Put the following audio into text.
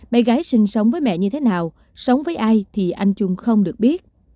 bé gái sinh sống với mẹ như thế nào sống với ai thì anh trung không được biết